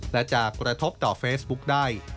และจะกระทบต่อเฟซบุ๊กได้